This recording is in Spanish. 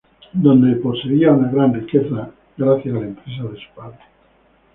Donde poseía una gran riqueza gracias a la empresa de su padre.